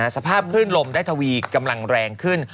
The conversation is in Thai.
สภาพคลื่นลมได้ทวีกำลังแรงขึ้น